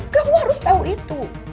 kamu harus tahu itu